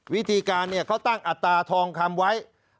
วิธีการเขาตั้งอัตราทองคำไว้